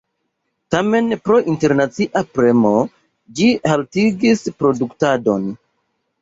Tamen pro internacia premo ĝi haltigis produktadon.